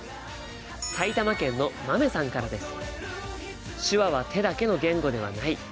埼玉県のまめさんからです。